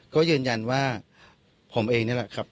ก็ยืนยันว่าผมเองนี่แหละครับ